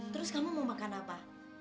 terus kamu mau makan apa